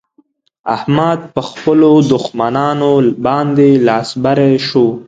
احمد په خپلو دښمانانو باندې لاس بری شو.